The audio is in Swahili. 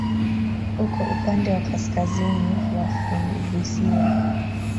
Uko upande wa kaskazini wa funguvisiwa.